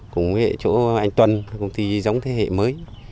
cùng chỗ anh tuần công ty giống thế hệ mới